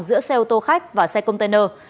giữa xe ô tô khách và xe container